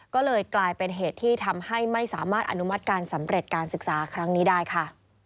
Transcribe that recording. ก็เลยกลายเป็นเหตุที่ทำให้ไม่สามารถอนุมัติการสำเร็จการศึกษาครั้งนี้ได้ค่ะ